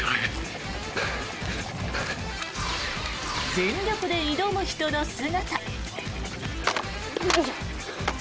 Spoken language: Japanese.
全力で挑む人の姿。